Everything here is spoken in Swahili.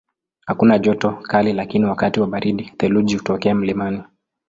Hakuna joto kali lakini wakati wa baridi theluji hutokea mlimani.